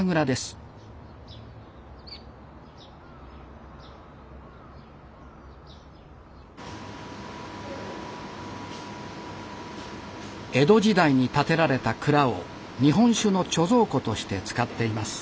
江戸時代に建てられた蔵を日本酒の貯蔵庫として使っています。